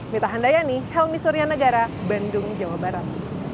mita handayani helmi suryanegara bandung jawa barat